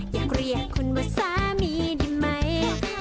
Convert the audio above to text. อยากเรียกคุณว่าสามีได้ไหม